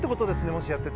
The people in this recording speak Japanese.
もしやってたら。